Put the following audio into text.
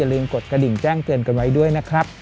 ลืมกดกระดิ่งแจ้งเตือนกันไว้ด้วยนะครับ